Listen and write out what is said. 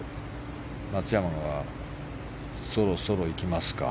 松山がそろそろ行きますか。